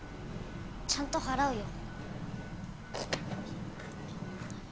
ちゃんと払うよ。